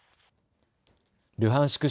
ルハンシク